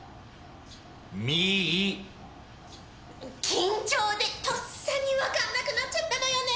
緊張でとっさにわかんなくなっちゃったのよねえ。